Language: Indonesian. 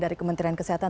dari kementerian kesehatan